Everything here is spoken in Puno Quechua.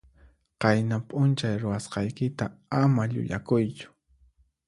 Qayna p'unchay ruwasqaykita ama llullakuychu.